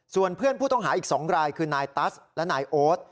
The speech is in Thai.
ส่วนเพื่อนผู้ต้องหาอีก๒รายคือนายตัสและนายโอ๊ต